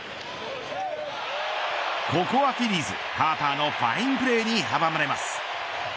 ここはフィリーズ、ハーパーのファインプレーに阻まれます。